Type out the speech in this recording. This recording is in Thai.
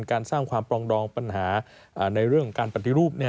สร้างความปรองดองปัญหาในเรื่องของการปฏิรูป